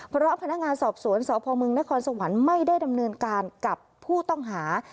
เพราะพนักงานสอบสวนสพมนครสวรรค์ไม่ได้ดำเนินการกับผู้ต้องหา